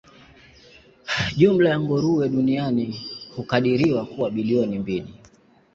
Jumla ya nguruwe duniani hukadiriwa kuwa bilioni mbili.